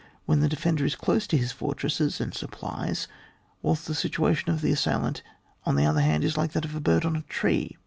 when the defender is close to his fortresses and sup plies, whilst the situation of the assailant, on the other hand, is like that of a bird on a tree.